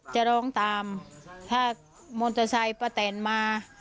จะร้องตามถ้ามอเตอร์ไซค์ป้าแตนมา